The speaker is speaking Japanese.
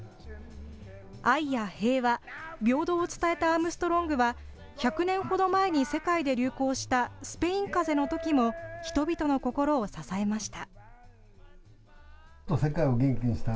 愛や平和、平等を伝えたアームストロングは１００年ほど前に世界で流行したスペインかぜのときも人々の心を支えました。